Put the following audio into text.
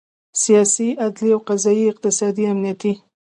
سیاسي، عدلي او قضایي، اقتصادي، امنیتي